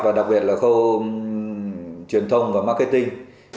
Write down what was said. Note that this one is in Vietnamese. và đặc biệt là khâu truyền thông và marketing